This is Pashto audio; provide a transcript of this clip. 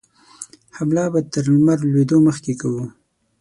حمله به تر لمر لوېدو مخکې کوو.